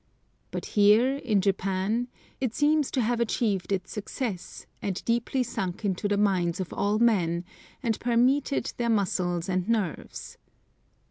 But here, in Japan, it seems to have achieved its success, and deeply sunk into the minds of all men, and permeated their muscles and nerves.